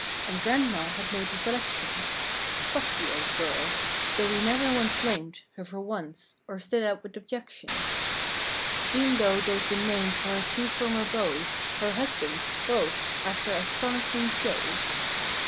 And grandma had made the selections— (Foxy old girl) though we never once blamed Her for once, or stood out with objections; E'en though they'd been named for her two former beaus— Her husbands (both) after as chronicling shows.